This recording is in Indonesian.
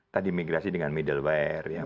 tadi migrasi dengan middleware